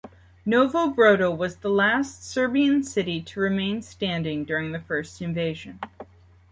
Novo Brdo was the last Serbian city to remain standing during the first invasion.